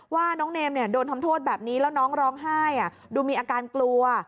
ว่าน้องเนมโดนทำโทษแบบนี้แล้วน้องร้องไห้ดูมีอาการกลัว